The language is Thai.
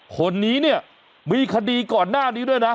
คนนี้เนี่ยมีคดีก่อนหน้านี้ด้วยนะ